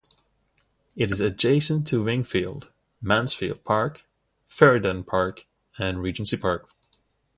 It is adjacent to Wingfield, Mansfield Park, Ferryden Park, and Regency Park.